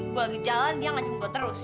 gua lagi jalan dia ngajep gua terus